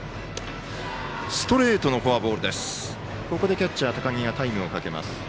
キャッチャー、高木がタイムをかけます。